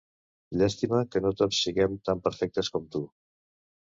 Llàstima que no tots siguem tan perfectes com tu!